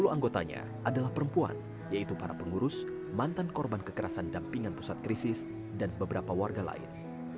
sepuluh anggotanya adalah perempuan yaitu para pengurus mantan korban kekerasan dampingan pusat krisis dan beberapa warga lain